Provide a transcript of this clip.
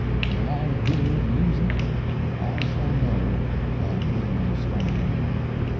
When I hear the music I shall know that they are starting.